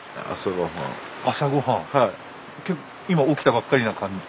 今起きたばっかりな感じ？